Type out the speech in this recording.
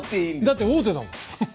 だって王手だもん。